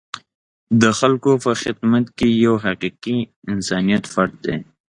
د خلکو په خدمت کې یو حقیقي انسانیت پټ دی.